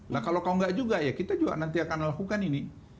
nah kalau kau enggak juga ya kita juga nanti akan lakukan ini